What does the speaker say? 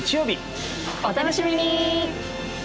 お楽しみに！